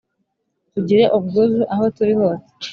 tugire ubwuzu aho turi hose